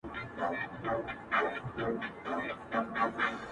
ولې دومره ډیر خواږه وي ځنې خلق